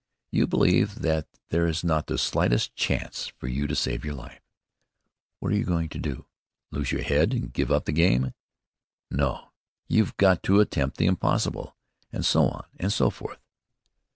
You believe that there is not the slightest chance for you to save your life. What are you going to do lose your head and give up the game? No, you've got to attempt the impossible"; and so on, and so forth.